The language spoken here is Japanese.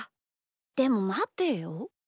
でもまてよ？